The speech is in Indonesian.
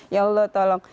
ya allah tolong